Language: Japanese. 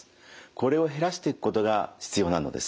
これを減らしていくことが必要なのです。